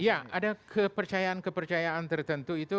ya ada kepercayaan kepercayaan tertentu itu